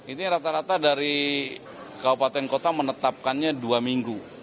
ini rata rata dari kabupaten kota menetapkannya dua minggu